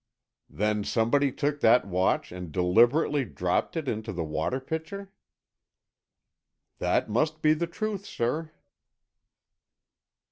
"Then, somebody took that watch and deliberately dropped it into the water pitcher?" "That must be the truth, sir."